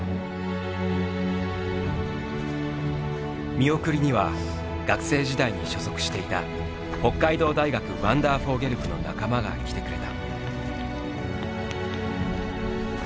見送りには学生時代に所属していた北海道大学ワンダーフォーゲル部の仲間が来てくれた。